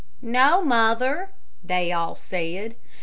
"No, mother," they all said.